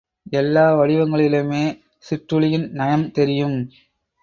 எல்லா வடிவங்களிலுமே சிற்றுளியின் நயம் தெரியும்.